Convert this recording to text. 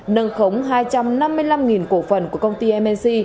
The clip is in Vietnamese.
nâng khống hai trăm năm mươi năm cổ phần của công ty mc